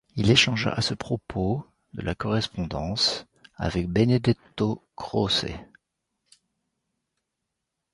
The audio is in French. Il échangea à ce propos de la correspondance avec Benedetto Croce.